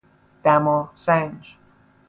دما سنج